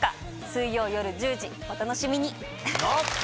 水曜夜１０時お楽しみに！